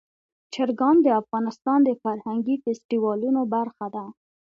چرګان د افغانستان د فرهنګي فستیوالونو برخه ده.